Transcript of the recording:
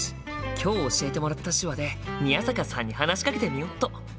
今日教えてもらった手話で宮坂さんに話しかけてみよっと！